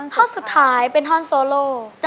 ท่อนสุดท้ายเป็นท่อนโซโล